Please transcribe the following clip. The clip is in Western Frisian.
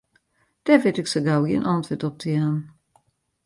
Dêr wit ik sa gau gjin antwurd op te jaan.